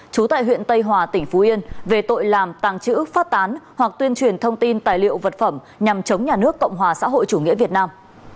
trú tại huyện tây hòa tỉnh phú yên về tội làm tàng trữ phát tán hoặc tuyên truyền thông tin tài liệu vật phẩm nhằm chống nhà nước cộng hòa xã hội chủ nghĩa việt nam